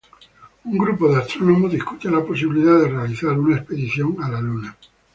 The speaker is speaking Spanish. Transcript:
Un grupo de astrónomos discute la posibilidad de realizar una expedición a la luna.